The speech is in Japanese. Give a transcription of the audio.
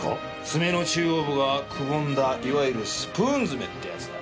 爪の中央部が窪んだいわゆる「スプーン爪」ってやつだ。